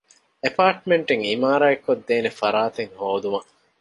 އެޕާޓްމަންޓެއް ޢިމާރާތްކޮށްދޭނޭ ފަރާތެއް ހޯދުމަށް